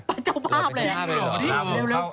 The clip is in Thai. เป็นเจ้าภาพเลยเหรอเร็วะดีเหรอ